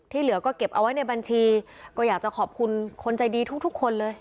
เหลือก็เก็บเอาไว้ในบัญชีก็อยากจะขอบคุณคนใจดีทุกทุกคนเลย